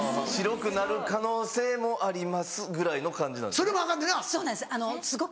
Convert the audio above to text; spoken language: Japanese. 「白くなる可能性もあります」ぐらいの感じなんです？